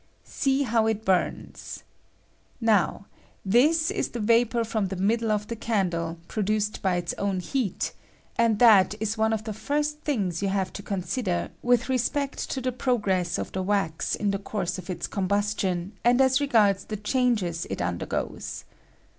] See how it ^ i COMBUSTION OP THE VAPOK. 43 bums. Now this is the yapor from the middle of the candle, produced by its own heat ; and that is one of the first things you have to con sider with respect to the progress of the wax in the course of its combustion, and as regards the changes it undergoes.